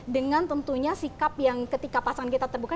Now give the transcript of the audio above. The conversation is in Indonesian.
dengan tentunya sikap yang ketika pasangan kita terbuka